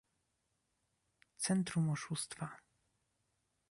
"Centrum Oszustwa"